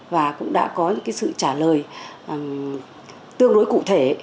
và cũng đã có những sự trả lời tương đối cụ thể